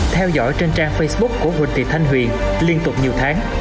theo dõi trên trang facebook của huỳnh thị thanh huyền liên tục nhiều tháng